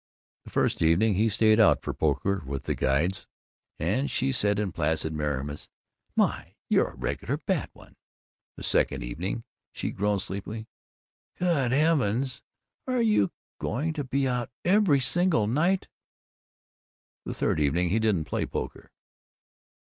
The first evening, he stayed out for poker with the guides, and she said in placid merriment, "My! You're a regular bad one!" The second evening, she groaned sleepily, "Good heavens, are you going to be out every single night?" The third evening, he didn't play poker.